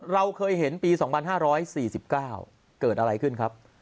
เราเคยเห็นปี๒๕๔๙เกิดอะไรขึ้นครับ